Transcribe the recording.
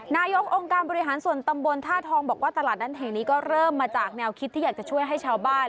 นายกองค์การบริหารส่วนตำบลท่าทองบอกว่าตลาดนั้นแห่งนี้ก็เริ่มมาจากแนวคิดที่อยากจะช่วยให้ชาวบ้าน